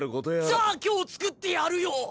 じゃあ今日つくってやるよ！